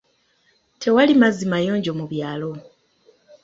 Tewali mazzi mayonjo mu byalo.